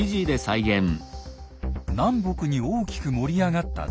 南北に大きく盛り上がった台地。